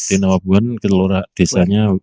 temin labuan kelurahan desanya